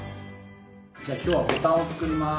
じゃあ今日はボタンを作ります